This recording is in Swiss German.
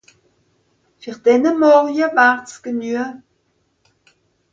Fer denne Morje wär's genue.